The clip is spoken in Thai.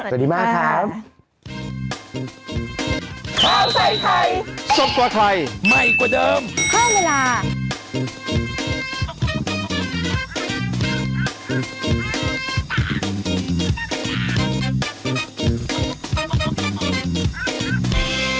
สวัสดีมากครับ